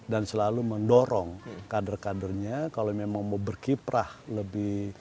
dan selalu mendorong kader kadernya kalau memang mau berkiprah lebih